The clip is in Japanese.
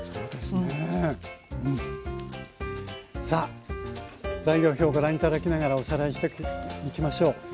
さあ材料表をご覧頂きながらおさらいしていきましょう。